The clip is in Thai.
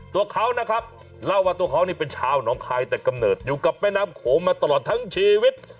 ตัวเขานะครับเล่าว่าตัวเขานี่เป็นชาวหนองคายแต่กำเนิดอยู่กับแม่น้ำโขงมาตลอดทั้งชีวิต